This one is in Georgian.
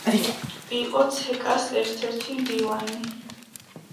იყო ცეკა-ს ერთ-ერთი მდივანი.